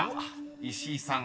［石井さん